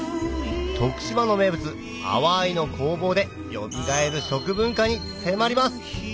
徳島の名物阿波藍の工房でよみがえる食文化に迫ります